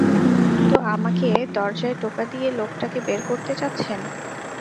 তো আমাকে দরজায় টোকা দিয়ে লোকটাকে বের করতে চাচ্ছেন?